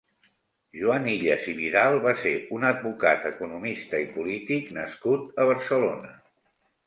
Joan Illas i Vidal va ser un advocat, economista i polític nascut a Barcelona.